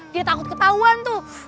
dia takut ketahuan tuh